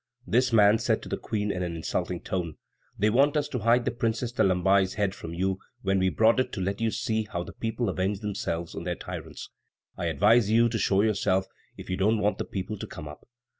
This man said to the Queen in an insulting tone: "They want us to hide the Princess de Lamballe's head from you when we brought it to let you see how the people avenge themselves on their tyrants. I advise you to show yourself if you don't want the people to come up."